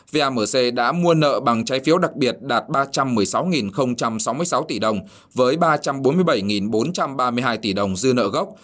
vamc đã mua nợ bằng trái phiếu đặc biệt đạt ba trăm một mươi sáu sáu mươi sáu tỷ đồng với ba trăm bốn mươi bảy bốn trăm ba mươi hai tỷ đồng dư nợ gốc